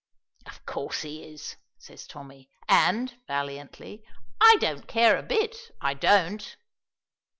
"Of course he is," says Tommy. "And" valiantly "I don't care a bit, I don't."